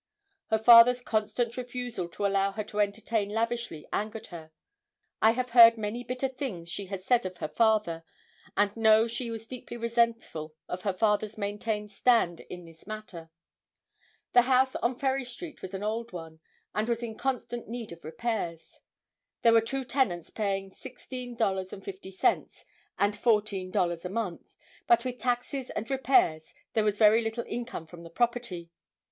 Her father's constant refusal to allow her to entertain lavishly angered her. I have heard many bitter things she has said of her father, and know she was deeply resentful of her father's maintained stand in this matter. This house on Ferry street was an old one, and was in constant need of repairs. There were two tenants paying $16.50 and $14 a month, but with taxes and repairs there was very little income from the property.